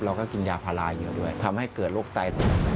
เราก็กินยาพาราอยู่ด้วยทำให้เกิดโรคไตหนึ่ง